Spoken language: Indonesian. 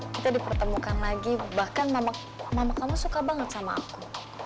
kita dipertemukan lagi bahkan mama kamu suka banget sama aku